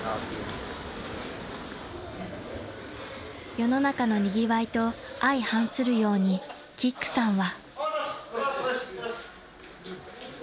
［世の中のにぎわいと相反するようにキックさんは］